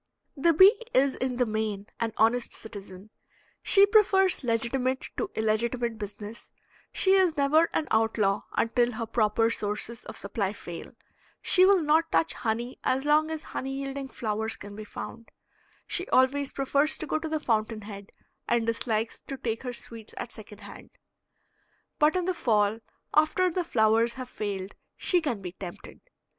The bee is in the main an honest citizen; she prefers legitimate to illegitimate business; she is never an outlaw until her proper sources of supply fail; she will not touch honey as long as honey yielding flowers can be found; she always prefers to go to the fountain head, and dislikes to take her sweets at second hand. But in the fall, after the flowers have failed, she can be tempted.